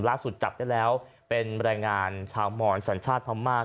ล่าสุดจับได้แล้วเป็นบรรยายงานชาวหมอนสัญชาติภามาก